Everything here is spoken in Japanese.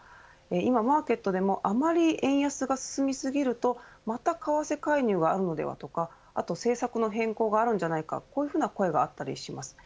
今、マーケットでもあまり円安が進みすぎるとまた為替介入があるのではとか政策の変更があるんじゃないかというような声が上がります。